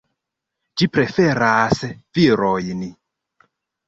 Ĝi preferas virojn.